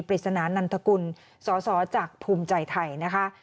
ปริศนานันทกุลสอสอจากภูมิใจไทยนะคะ